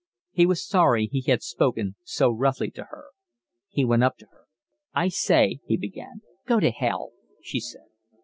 He was sorry he had spoken so roughly to her. He went up to her. "I say," he began. "Go to hell," she said.